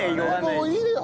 もういいよ！